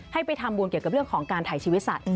ให้ไปทำบุญเกี่ยวกับเรื่องของการถ่ายชีวิตสัตว